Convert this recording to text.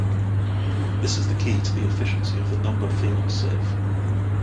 This is the key to the efficiency of the number field sieve.